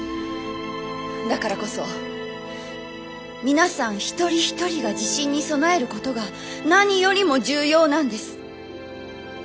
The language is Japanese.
だからこそ皆さん一人一人が地震に備えることが何よりも重要なんです。